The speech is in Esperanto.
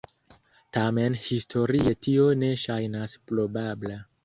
Tamen historie tio ne ŝajnas probabla.